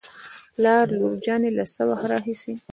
پلار : لور جانې له څه وخت راهېسې